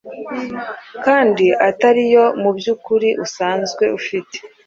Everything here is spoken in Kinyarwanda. kandi atariyo mu by’ukuri usanzwe ufite